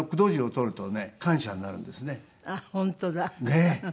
ねえ。